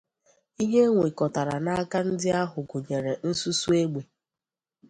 Ihe e nwekọtara n'aka ndị ahụ gụnyèrè nsụnsụ egbe